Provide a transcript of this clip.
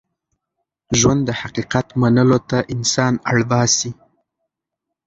ژوند د حقیقت منلو ته انسان اړ باسي.